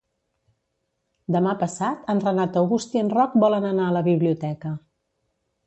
Demà passat en Renat August i en Roc volen anar a la biblioteca.